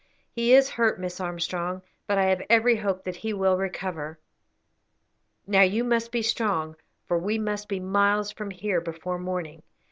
"He is hurt, Miss Armstrong, but I have every hope that he will recover. Now you must be strong, for we must be miles from here before morning.